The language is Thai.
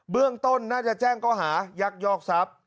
เบื้องต้นน่าจะแจ้งข้อหายักษ์ยอกทรัพย์